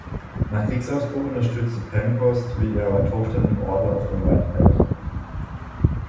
Nach Kriegsausbruch unterstützte Pankhurst wie ihre Tochter den Order of the White Feather.